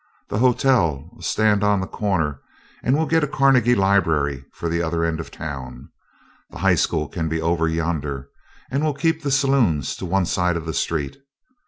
The hotel'll stand on the corner and we'll git a Carnegie Libery for the other end of town. The High School can be over yonder and we'll keep the saloons to one side of the street.